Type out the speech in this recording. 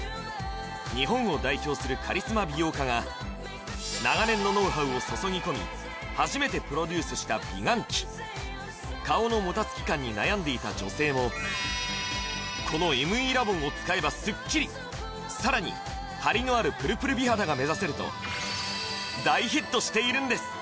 日本を代表するカリスマ美容家が長年のノウハウを注ぎ込み初めてプロデュースした美顔器顔のもたつき感に悩んでいた女性もこのＭＥラボンを使えばスッキリさらにハリのあるプルプル美肌が目指せると大ヒットしているんです